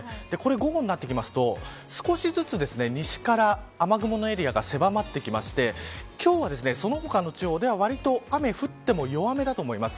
午後になってきますと少しずつ西から雨雲のエリアが狭まってきまして今日は、その他の地方ではわりと雨が降っても弱めだと思います。